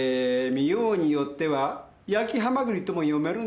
見ようによっては「焼蛤」とも読めるんです。